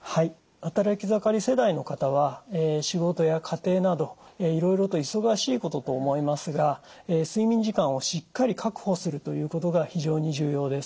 働き盛り世代の方は仕事や家庭などいろいろと忙しいことと思いますが睡眠時間をしっかり確保するということが非常に重要です。